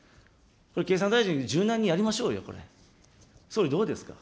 経産大臣、柔軟にやりましょうよ、これ。